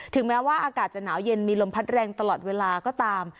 แม้ว่าอากาศจะหนาวเย็นมีลมพัดแรงตลอดเวลาก็ตาม